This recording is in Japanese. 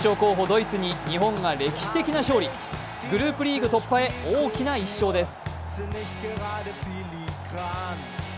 ・ドイツに日本が歴史的勝利。グループリーグ突破へ大きな１勝です。